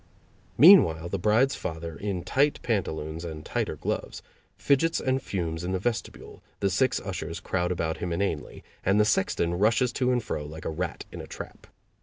Meanwhile the bride's father, in tight pantaloons and tighter gloves, fidgets and fumes in the vestibule, the six ushers crowd about him inanely, and the sexton rushes to and fro like a rat in a trap.